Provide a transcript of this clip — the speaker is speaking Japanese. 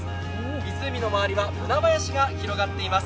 湖の周りはブナ林が広がっています。